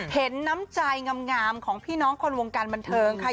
เห็นน้ำใจงามของพี่น้องคนวงการบันเทิงค่ะ